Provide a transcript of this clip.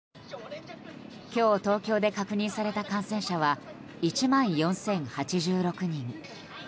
今日、東京で確認された感染者は１万４０８６人。